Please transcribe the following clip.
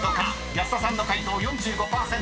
［保田さんの解答４５％］